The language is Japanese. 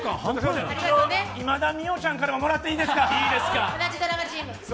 今田美桜ちゃんからももらっていいですか？